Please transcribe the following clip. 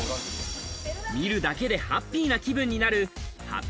見るだけでハッピーな気分になるハピ